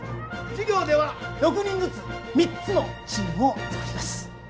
授業では６人ずつ３つのチームを作ります。